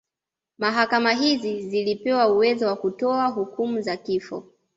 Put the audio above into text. Mahakama hizi zilipewa uwezo wa kutoa hukumu za kifo